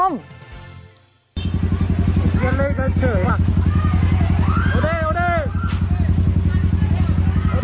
นี่ก็หรอ